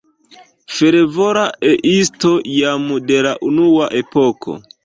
Fervora E-isto jam de la unua epoko.